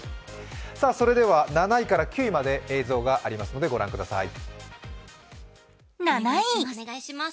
それでは、７位から９位まで映像がありますので、ご覧ください。